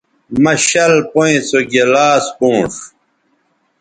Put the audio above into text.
مہ شَل پئیں سو گلاس پونݜ